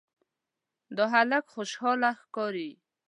دا هلک خوشاله ښکاري.